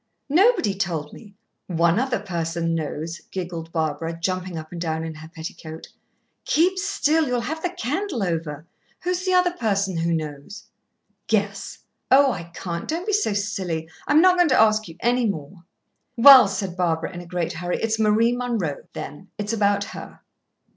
"Nobody told me. One other person knows," giggled Barbara, jumping up and down in her petticoat. "Keep still, you'll have the candle over. Who's the other person who knows?" "Guess." "Oh, I can't; don't be so silly. I am not going to ask you any more." "Well," said Barbara in a great hurry, "it's Marie Munroe, then; it's about her."